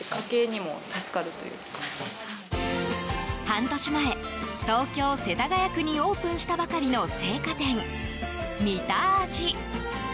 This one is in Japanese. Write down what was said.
半年前、東京・世田谷区にオープンしたばかりの青果店、みたあじ。